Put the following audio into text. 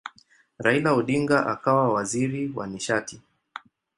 Raila Odinga akawa waziri wa nishati.